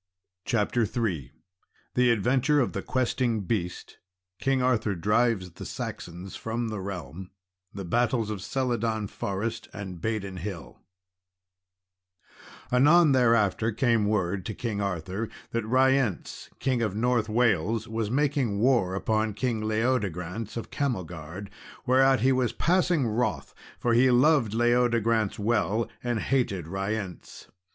CHAPTER III _The Adventure of the Questing Beast King Arthur drives the Saxons from the Realm The Battles of Celidon Forest and Badon Hill_ Anon, thereafter, came word to King Arthur that Ryence, King of North Wales, was making war upon King Leodegrance of Camelgard; whereat he was passing wroth, for he loved Leodegrance well, and hated Ryence.